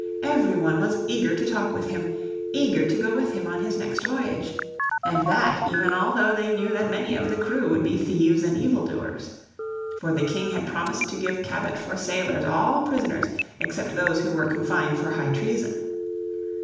Every one was eager to talk with him, eager to go with him on his next voyage: and that even although they knew that many of the crew would be thieves and evil doers. For the King had promised to give Cabot for sailors all prisoners except those who were confined for high treason.